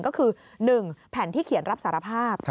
ก็คือ๑แผ่นที่เขียนรับสารภาพ